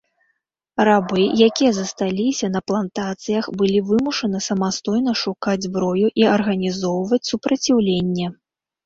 Рабы, якія засталіся на плантацыях, былі вымушаны самастойна шукаць зброю і арганізоўваць супраціўленне.